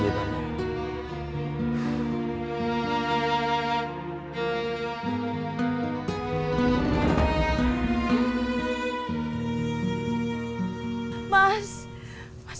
mas kamu dimana sih mas